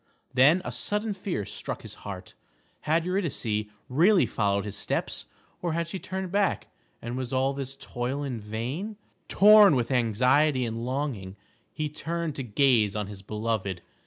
Then a sudden fear struck his heart. Had Eurydice really followed his steps, or had she turned back, and was all his toil in vain? Tom with anxiety and longing, he turned to gaze on his beloved.